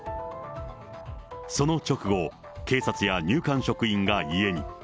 その直後、警察や入管職員が家に。